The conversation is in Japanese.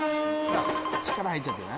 力入っちゃったな？